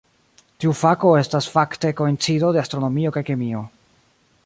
Tiu fako estas fakte koincido de astronomio kaj kemio.